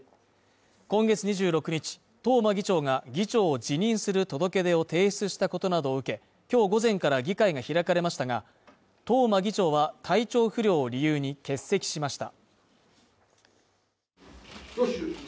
今月２６日、東間議長が議長を辞任する届け出を提出したことなどを受け、今日午前から議会が開かれましたが、東間議長は、体調不良を理由に欠席しました。